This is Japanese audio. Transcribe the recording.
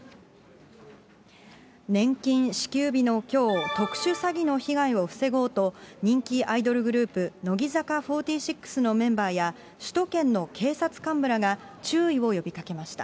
年金支給日のきょう、特殊詐欺の被害を防ごうと、人気アイドルグループ、乃木坂４６のメンバーや、首都圏の警察幹部らが注意を呼びかけました。